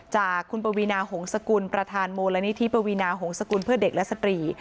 จากคุณปวีนาหงษกุลประธานมูลนิธิปวีนาหงษกุลเพื่อเด็กและสตรี